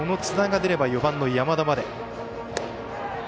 津田が出れば４番の山田まで。